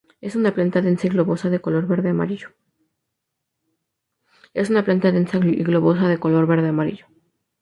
Es una planta densa y globosa, de color verde-amarillo.